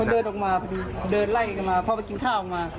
เดินไล่กันมาพอไปกินข้าวออกมา